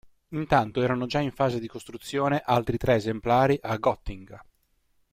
Intanto erano già in fase di costruzione altri tre esemplari a Gottinga.